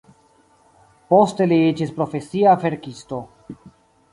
Poste li iĝis profesia verkisto.